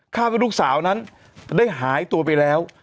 ว่าลูกสาวนั้นได้หายตัวไปแล้ว